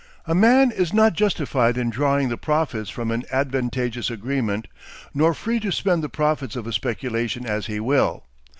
A man is not justified in drawing the profits from an advantageous agreement nor free to spend the profits of a speculation as he will.